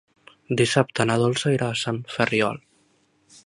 Dissabte na Dolça irà a Sant Ferriol.